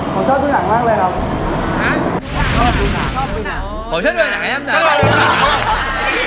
ผมชอบดูหนังมากเลยครับชอบดูหนังผมชอบดูหนังไงน้ำหนา